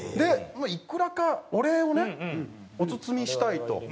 まあいくらかお礼をねお包みしたいと。